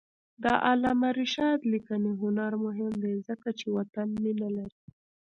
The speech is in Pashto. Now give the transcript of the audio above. د علامه رشاد لیکنی هنر مهم دی ځکه چې وطن مینه لري.